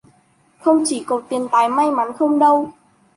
Không chỉ cầu Tiền tài may mắn không đâu